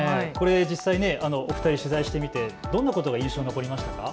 実際お二人取材してみて、どんなことが印象に残りましたか。